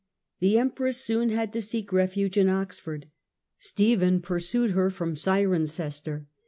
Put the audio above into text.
The empress soon had to seek refuge in Oxford. Stephen pursued her from Cirencester.